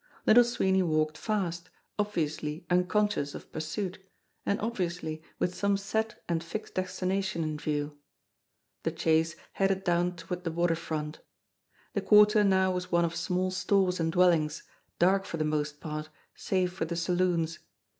Little Sweeney walked fast, obviously unconscious of pur 136 JIMMIE DALE AND THE PHANTOM CLUE suit, and obviously with some set and fixed destination in view. The chase headed down toward the water front. The quarter now was one of small stores and dwellings, dark for the most part, save for the saloons.